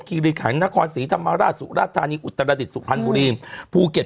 คีริขังนครศรีธรรมาราชสุราธารณีอุตรดิษฐ์สุภัณฑ์บุรีภูเก็ต